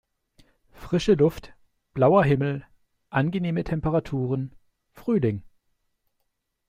Frische Luft, blauer Himmel, angenehme Temperaturen: Frühling!